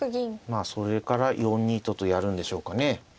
まあそれから４二ととやるんでしょうかね。